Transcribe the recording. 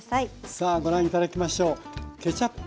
さあご覧頂きましょう。